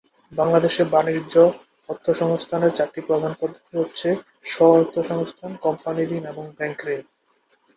বাংলাদেশে বাণিজ্য অর্থসংস্থানের চারটি প্রধান পদ্ধতি হচ্ছে স্ব-অর্থসংস্থান, কোম্পানি ঋণ এবং ব্যাংক ঋণ।